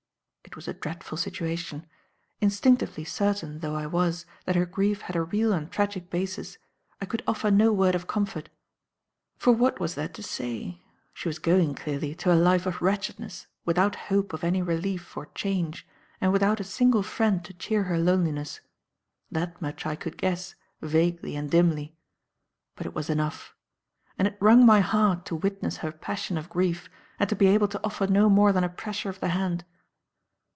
It was a dreadful situation. Instinctively certain though I was that her grief had a real and tragic basis, I could offer no word of comfort. For what was there to say? She was going, clearly, to a life of wretchedness without hope of any relief or change and without a single friend to cheer her loneliness. That much I could guess, vaguely and dimly. But it was enough. And it wrung my heart to witness her passion of grief and to be able to offer no more than a pressure of the hand.